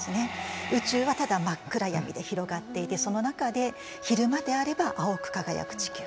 宇宙はただ真っ暗闇で広がっていてその中で昼間であれば青く輝く地球。